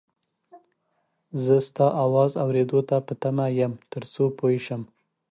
زه ستا اواز اورېدو ته په تمه یم تر څو پوی شم